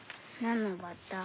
何のバッタ？